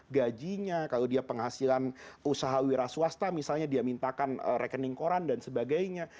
gajinya kalau dia penghasilan usaha wira swasta misalnya dia mintakan rekening koran dan sebagainya